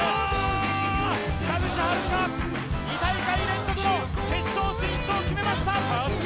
北口榛花２大会連続の決勝進出を決めました！